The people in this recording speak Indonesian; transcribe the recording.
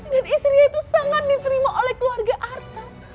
dan istrinya itu sangat diterima oleh keluarga artam